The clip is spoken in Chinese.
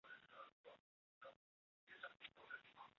曾任福建漳州镇总兵。